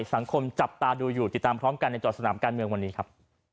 สังคมจับตาดูอยู่ติดตามพร้อมกันในจอดสนามการเมืองวันนี้ครับ